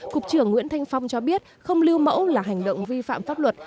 cục trưởng nguyễn thanh phong cho biết không lưu mẫu là hành động vi phạm pháp luật